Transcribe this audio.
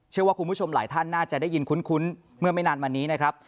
เชื่อว่าคุณผู้ชมหลายท่านน่าจะได้ยินคุ้นเมื่อไม่นานมานี้นะครับ